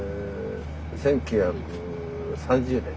１９３０年。